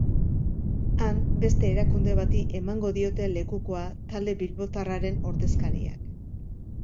Han, beste erakunde bati emango diote lekukoa talde bilbotarraren ordezkariek.